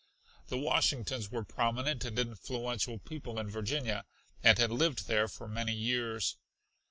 The Washingtons were prominent and influential people in Virginia and had lived there for many years.